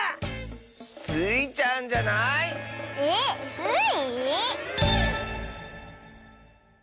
スイちゃんじゃない⁉えっスイ？